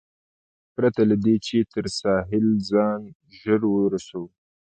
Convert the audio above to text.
پرته له دې، چې تر ساحل ځان ژر ورسوم.